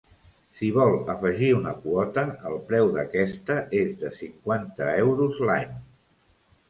Si vol afegir una quota, el preu d'aquesta és de cinquanta euros l'any.